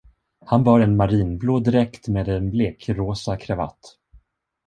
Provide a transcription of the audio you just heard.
Han bar en marinblå dräkt med en blekrosa kravatt.